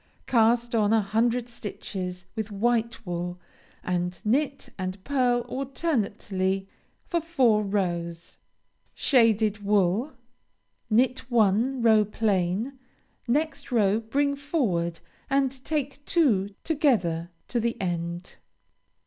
Cast on a hundred stitches with white wool, and knit and pearl alternately for four rows. Shaded wool Knit one row plain; next row bring forward, and take two together to the end.